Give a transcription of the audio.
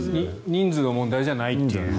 人数の問題じゃないという。